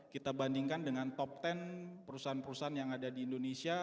kita bandingkan dengan top sepuluh perusahaan perusahaan yang ada di indonesia